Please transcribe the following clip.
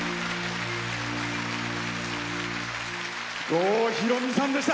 郷ひろみさんでした。